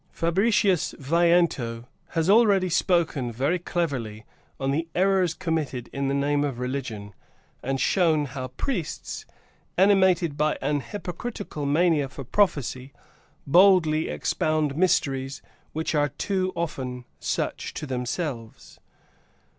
Fabricius Veiento has already spoken very cleverly on the errors committed in the name of religion, and shown how priests, animated by an hypocritical mania for prophecy, boldly expound mysteries which are too often such to themselves.